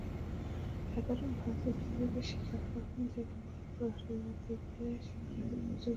সাধারণভাবে বিজ্ঞানীরা স্বীকার করেন যে, মঙ্গল গ্রহের আদি ইতিহাসে এই গ্রহে প্রচুর পরিমাণে জলের অস্তিত্ব ছিল।